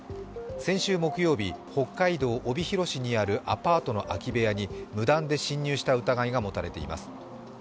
先週木曜日、北海道帯広市にあるアパートの空き部屋に無断で侵入した疑いが持たれています。